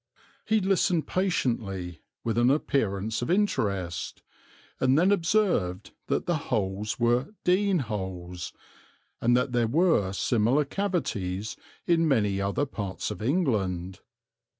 He listened patiently, with an appearance of interest, and then observed that the holes were "dene holes," and that there were similar cavities in many other parts of England.